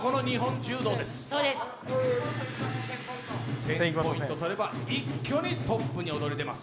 １０００ポイントとれば、一挙にトップに躍り出ます。